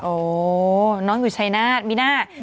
โอ้น้องอยู่ชายนาฏมิน่า